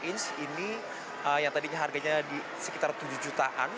lima puluh lima inch ini yang tadinya harganya sekitar tujuh jutaan